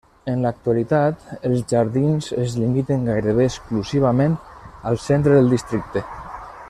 En l'actualitat, els jardins es limiten gairebé exclusivament al centre del districte.